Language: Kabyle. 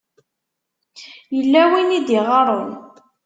Yella win i d-iɣaṛen.